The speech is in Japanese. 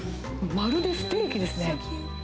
まるでステーキですね。